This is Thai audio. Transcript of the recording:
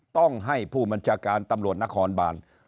ต้องให้ผู้บัญชาการตำรวจนครบาน